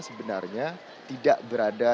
sebenarnya tidak berada